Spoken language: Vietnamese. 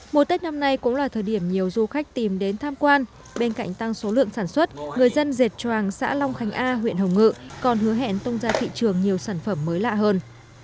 mùa tết năm nay cũng là thời điểm nhiều du khách tìm đến tham quan bên cạnh tăng số lượng sản xuất người dân dệt tròang xã long khánh a huyện hồng ngự còn hứa hẹn tung ra thị trường nhiều sản phẩm mới lạ hơn